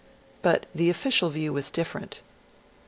But the official view was different.